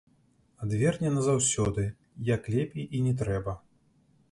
Адверне назаўсёды, як лепей і не трэба.